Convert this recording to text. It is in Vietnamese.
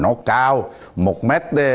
nó cao một m tám mươi